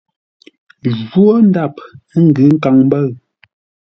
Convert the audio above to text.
Jwó ndap ə́ ngʉ́ nkaŋ-mbə̂ʉ.